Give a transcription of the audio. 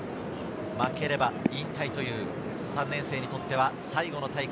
負ければ引退という３年生にとっては最後の大会。